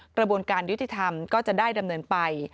กระบวนการยุติธรรมก็จะได้ดำเนินไป